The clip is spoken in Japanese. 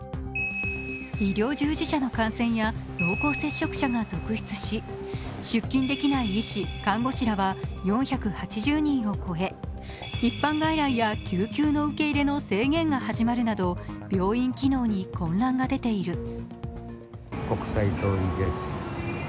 医療従事者の感染や濃厚接触者が続出し出勤できない医師、看護師らは４８０人を超え、一般外来や救急の受け入れの制限が始まるなど病院機能に混乱が出ている。